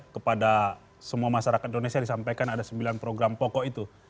kepada semua masyarakat indonesia disampaikan ada sembilan program pokok itu